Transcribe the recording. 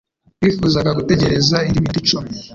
Wifuza gutegereza indi minota icumi?